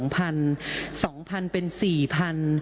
๒๐๐๐เป็น๔๐๐๐